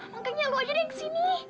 makanya lo aja deh kesini